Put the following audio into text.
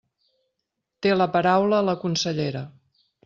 Té la paraula la consellera.